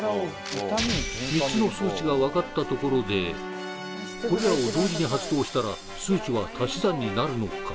３つの数値が分かったところでこれらを同時に発動したら数値は足し算になるのか？